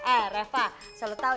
ah reva selalu tau ya